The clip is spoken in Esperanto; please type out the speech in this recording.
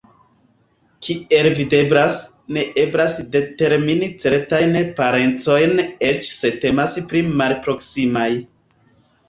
Kiel videblas, ne eblas determini certajn parencojn eĉ se temas pri malproksimaj.